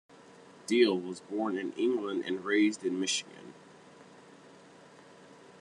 Deal was born in England and raised in Michigan.